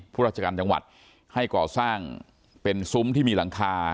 ราชการจังหวัดให้ก่อสร้างเป็นซุ้มที่มีหลังคา